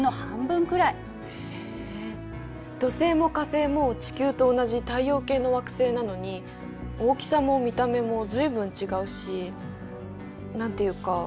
へえ土星も火星も地球と同じ太陽系の惑星なのに大きさも見た目も随分違うし何ていうか個性があるっていうか。